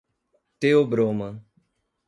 Theobroma